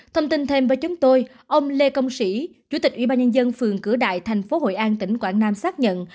thông tin thêm với chúng tôi ông lê công sĩ chủ tịch ubnd phường cửa đại thành phố hội an tỉnh quảng nam xác nhận